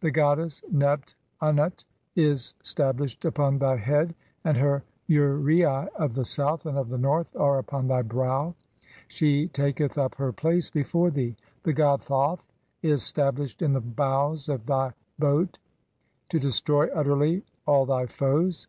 The goddess Nebt Unnut is "stablished upon thy head ; and her uraei of the South and of "the North are upon thy brow; (10) she taketh up her place "before thee. The god Thoth is stablished in the bows of thv "boat to destroy utterly all thy foes.